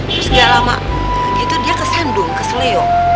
terus gak lama itu dia kesendung keselio